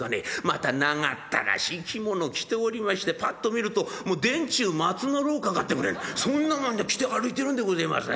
また長ったらしい着物着ておりましてパッと見るともう殿中松の廊下かってくらいにそんなもの着て歩いてるんでごぜえます。